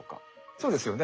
そうですよね。